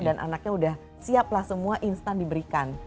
dan anaknya udah siap lah semua instan diberikan